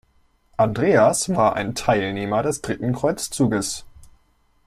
Andreas war ein Teilnehmer des dritten Kreuzzuges.